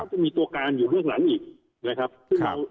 จะมีตัวการอยู่เบื้องหลังอีกนะครับ